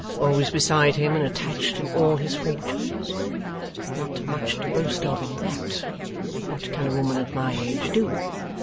Always beside him and attached in all his fortunes? Not much to boast of in that; what can a woman at my age do?